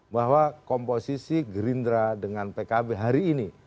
bahwa komposisi gerindra dengan pkb hari ini